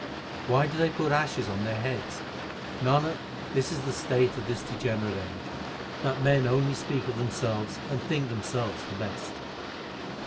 Why do they put ashes on their heads ? Nanak, this is the state of this degenerate age, That men only speak of themselves and think themselves the best.